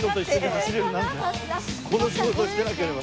この仕事してなければ。